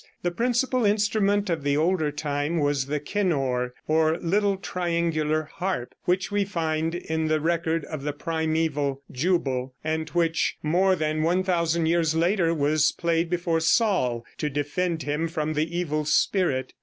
The principal instrument of the older time was the Kinnor, or little triangular harp, which we find in the record of the primeval Jubal, and which more than 1,000 years later was played before Saul to defend him from the evil spirit.